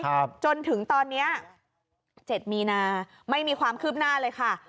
จนถึงตอนเนี้ยเจ็ดมีนาไม่มีความคืบหน้าเลยค่ะ